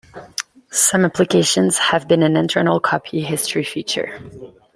Some applications have an internal copy history feature.